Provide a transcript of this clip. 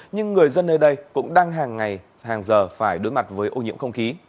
nhưng người dân nơi đây cũng đang hàng ngày hàng giờ phải đối mặt với ô nhiễm không khí